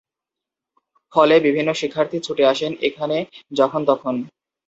ফলে বিভিন্ন শিক্ষার্থী ছুটে আসেন এখানে যখন-তখন।